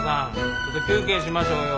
ちょっと休憩しましょうよ。